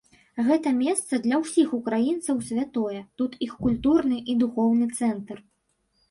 Гэта месца для ўсіх украінцаў святое, тут іх культурны і духоўны цэнтр.